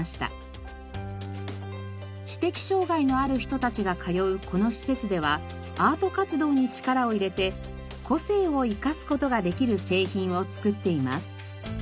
知的障がいのある人たちが通うこの施設ではアート活動に力を入れて個性を生かす事ができる製品を作っています。